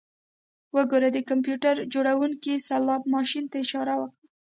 وګوره د کمپیوټر جوړونکي سلاټ ماشین ته اشاره وکړه